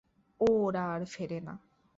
ও ওরা আর ফেরে না।